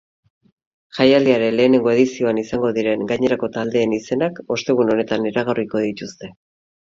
Jaialdiaren lehenengo edizioan izango diren gainerako taldeen izenak ostegun honetan iragarriko dituzte.